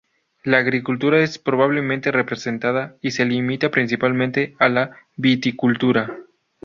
La agricultura está pobremente representada y se limita principalmente a la viticultura.